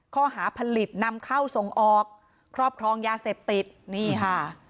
ข้อหาผลิตนำเข้าส่งออกครอบครองยาเสพติดนี่ค่ะ